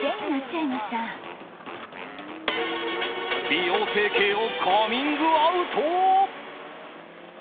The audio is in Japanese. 美容整形をカミングアウト！